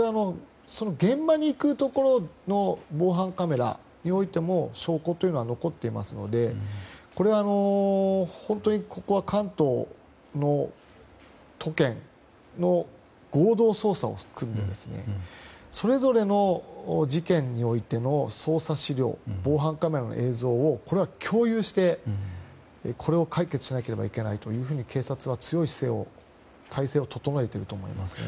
現場に行くところの防犯カメラにおいても証拠は残っていますのでこれは本当に関東の都県の合同捜査を組んでそれぞれの事件においての捜査資料、防犯カメラの映像を共有してこれを解決しなければいけないというふうに警察は強い姿勢、態勢を整えていると思いますね。